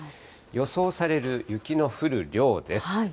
予想される雪の降る量です。